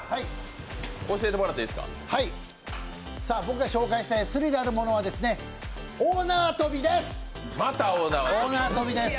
僕が紹介したいスリルあるものは大縄跳びです。